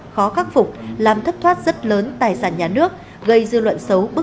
khó khắc phục làm thất thoát rất lớn tài sản nhà nước gây dư luận xấu bức